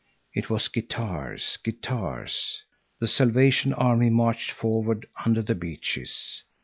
It was guitars, guitars. The Salvation Army marched forward under the beeches.